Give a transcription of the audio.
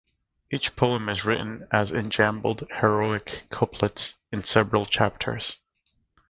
Each poem is written as enjambed heroic couplets in several chapters.